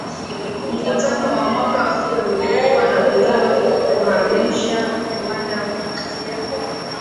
Mkutano wa mwaka huu ulikuwa na ujumbe kuhamasisha viwanda kupitia